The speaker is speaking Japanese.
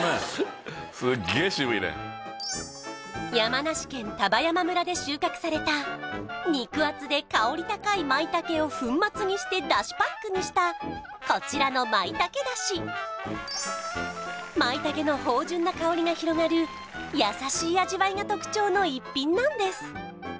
山梨県丹波山村で収穫された肉厚で香り高い舞茸を粉末にして出汁パックにしたこちらの舞茸だし舞茸の豊潤な香りが広がる優しい味わいが特徴の逸品なんです